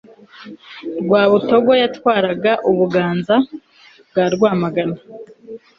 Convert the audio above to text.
rwabutogo yatwaraga ubuganza bwa rwamagana